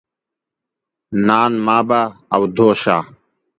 نان ما به او دو شا.